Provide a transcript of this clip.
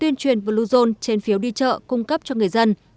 tuyên truyền bluezone trên phiếu đi chợ cung cấp cho người dân